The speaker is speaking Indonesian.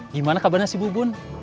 gimana kabarnya si bubun